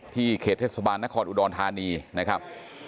ที่เขตเทศบาลหน้าคอนอุดรฐานีนะครับ